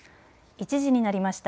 １時になりました。